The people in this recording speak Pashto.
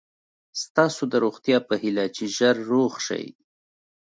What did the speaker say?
ستاسو د روغتیا په هیله چې ژر روغ شئ.